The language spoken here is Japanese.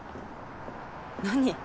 何？